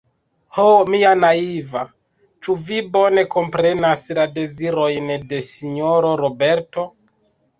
Ho, mia naiva, ĉu vi bone komprenas la dezirojn de sinjoro Roberto?